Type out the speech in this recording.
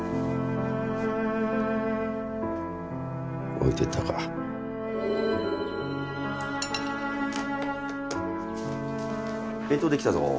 置いてったか弁当できたぞ